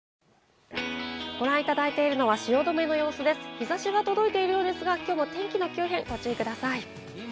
日差しが届いているようですが、きょうは天気の急変にご注意ください。